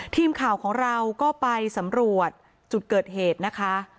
ทีมข่าวของเราก็ไปสำรวจจุดเกิดเหตุนะคะ